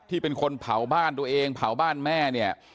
เป็นคนเผาบ้านตัวเองเผาบ้านแม่เนี่ย